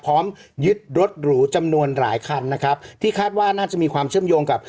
พร้อมยึดรถหรูจำนวนหลายคันนะครับที่คาดว่าน่าจะมีความเชื่อมโยงกับ